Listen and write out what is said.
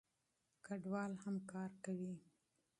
کډوال هم کار کوي.